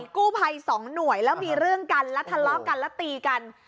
กู้ภัยสองหน่วยแล้วมีเรื่องกันแล้วทะเลาะกันแล้วตีกัน